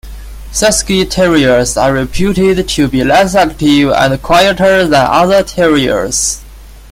Cesky Terriers are reputed to be less active and quieter than other terriers.